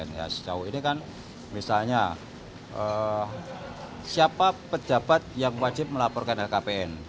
nah sejauh ini kan misalnya siapa pejabat yang wajib melaporkan lhkpn